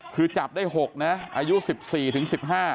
คือจับได้๖นะอายุ๑๔ถึง๑๕